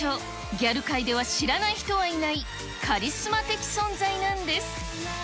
ギャル界では知らない人はいないカリスマ的存在なんです。